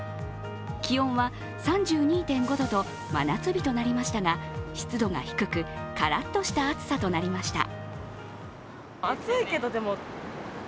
気温は３２．５度と真夏日となりましたが湿度が低く、カラッとした暑さとなりました。